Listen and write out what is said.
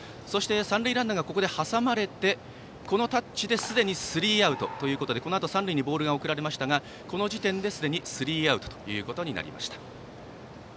三塁ランナーが挟まれてこのタッチですでにスリーアウトでこのあと、三塁にボールが送られましたがこの時点ですでにスリーアウトとなりました。